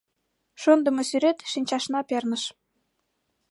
Шоныдымо сӱрет шинчашна перныш.